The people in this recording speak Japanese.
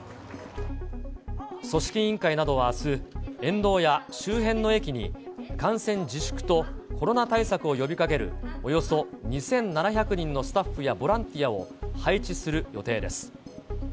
組織委員会などはあす、沿道や周辺の駅に観戦自粛とコロナ対策を呼びかける、およそ２７００人のスタッフやボランティアを配置する予定です。